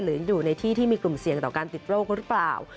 หรืออยู่ในที่ที่มีกลุ่มเสี่ยงต่อการติดโรคหรือเปล่า